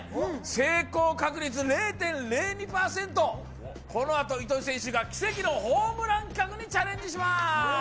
成功確率０．０２％、このあと糸井選手が奇跡のホームラン企画にチャレンジします。